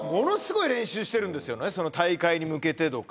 その大会に向けてとか。